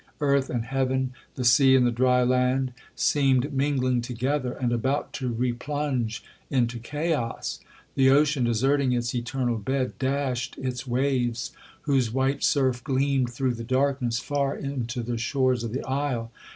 Earth and heaven, the sea and the dry land, seemed mingling together, and about to replunge into chaos. The ocean, deserting its eternal bed, dashed its waves, whose white surf gleamed through the darkness, far into the shores of the isle.